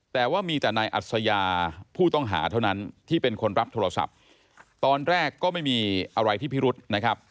แต่ว่ามีแต่นายอัศยาผู้ต้องหาเท่านั้นที่เป็นคนรับโทรศัพท์ตอนแรกก็ไม่มีอะไรที่พิรุษนะครับ